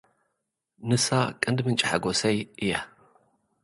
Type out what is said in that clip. ንሳ ቀንዲ ምንጪ ሓጎሰይ እያ።